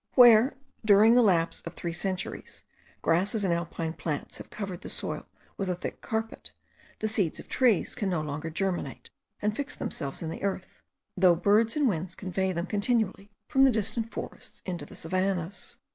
Where, during the lapse of three centuries, grasses and alpine plants have covered the soil with a thick carpet, the seeds of trees can no longer germinate and fix themselves in the earth, though birds and winds convey them continually from the distant forests into the savannahs.